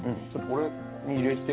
これに入れて。